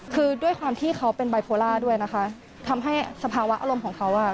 คือด้วยความที่เขาเป็นบายโพล่าด้วยนะคะทำให้สภาวะอารมณ์ของเขาอ่ะ